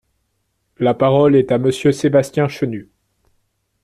La parole est à Monsieur Sébastien Chenu.